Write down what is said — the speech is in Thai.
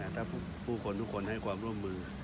ถ้าผู้คนทุกคนให้ความร่วมมือ